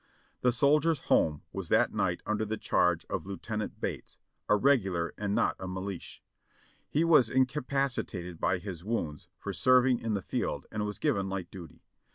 The "Soldiers' Home" was that night under the charge of Lieutenant Bates, a Regular and not a Melish ; he was incapaci tated by his wounds for serving in the field and was given light duty.